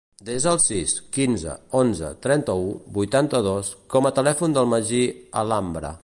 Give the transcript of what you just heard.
Desa el sis, quinze, onze, trenta-u, vuitanta-dos com a telèfon del Magí Alhambra.